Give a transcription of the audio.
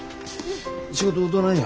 仕事どないや。